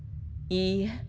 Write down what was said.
いいえ。